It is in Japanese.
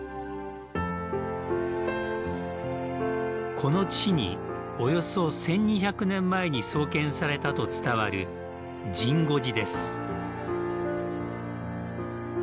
この地に、およそ１２００年前に創建されたと伝わる神護寺です。